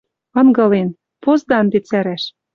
Ынгылен: позда ӹнде цӓрӓш.